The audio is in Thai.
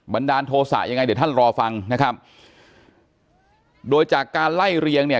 ดาลโทษะยังไงเดี๋ยวท่านรอฟังนะครับโดยจากการไล่เรียงเนี่ย